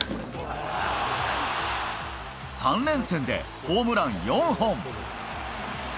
３連戦でホームラン４本。